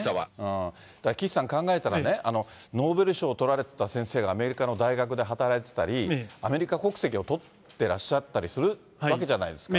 岸さん、考えたらね、ノーベル賞とられてた先生が、アメリカの大学で働いてたり、アメリカ国籍を取ってらっしゃったりするわけじゃないですか。